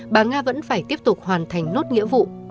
bà nga vẫn phải tiếp tục hoàn thành nốt nghĩa vụ